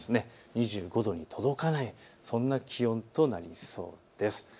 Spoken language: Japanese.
２５度に届かないそんな気温となりそうです。